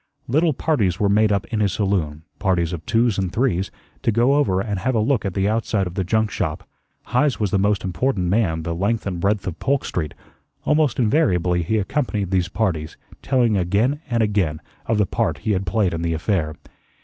Little parties were made up in his saloon parties of twos and threes to go over and have a look at the outside of the junk shop. Heise was the most important man the length and breadth of Polk Street; almost invariably he accompanied these parties, telling again and again of the part he had played in the affair.